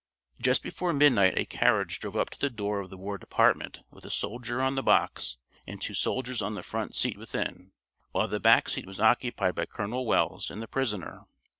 Just before midnight a carriage drove up to the door of the War Department with a soldier on the box and two soldiers on the front seat within, while the back seat was occupied by Colonel Wells and the prisoner.